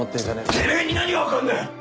てめぇに何が分かんだよ